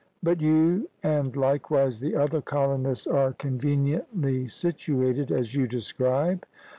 But you and likewise the other colonists are conveniently situated as you describe.